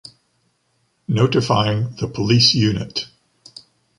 Notifying the police unit.